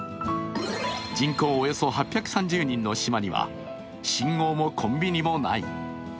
人口およそ８３０人の島には信号もコンビニもない。